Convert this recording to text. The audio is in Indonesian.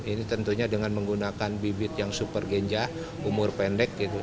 ini tentunya dengan menggunakan bibit yang super ganja umur pendek